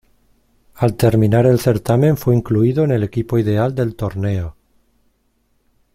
Al terminar el certamen fue incluido en el equipo ideal del torneo.